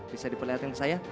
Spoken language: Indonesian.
bisa diperlihatkan saya